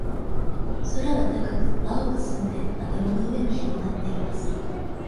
空は高く、青く澄んで、頭の上に広がっています。